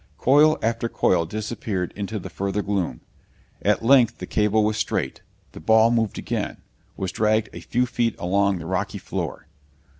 Coil after coil disappeared into the further gloom. At length the cable was straight. The ball moved again was dragged a few feet along the rocky floor.